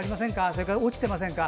それから、落ちていませんか？